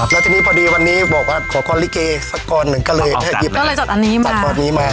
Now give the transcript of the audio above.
แล้วทีนี้พอดีวันนี้บอกว่าขอษักสักลเหนือกะเหลี่ยนให้กิน